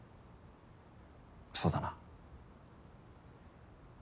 そうだな。